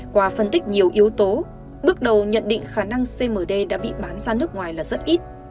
qua phân tích nhiều yếu tố bước đầu nhận định khả năng cmd đã bị bán ra nước ngoài là rất ít